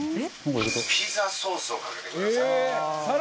ピザソースをかけてください。